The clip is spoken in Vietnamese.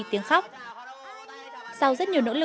xong xoa xoa tay này